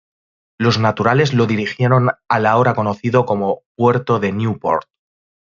Los naturales lo dirigieron al ahora conocido como puerto de Newport.